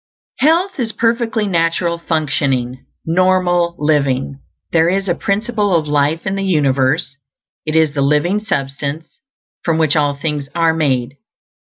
Health is perfectly natural functioning, normal living. There is a Principle of Life in the universe; it is the Living Substance, from which all things are made.